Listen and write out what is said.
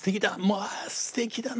まあすてきだな。